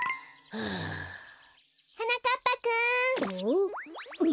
はなかっぱくん。